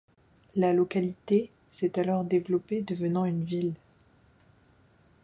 La localité s'est alors développée, devenant une ville.